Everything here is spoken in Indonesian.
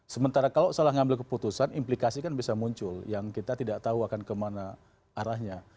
sementara kalau salah ngambil keputusan implikasi kan bisa muncul yang kita tidak tahu akan kemana arahnya